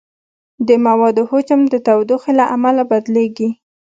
د موادو حجم د تودوخې له امله بدلېږي.